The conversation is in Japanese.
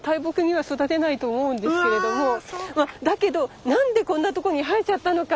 まあだけどなんでこんなとこに生えちゃったのか。